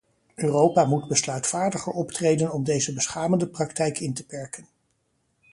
Europa moet besluitvaardiger optreden om deze beschamende praktijk in te perken.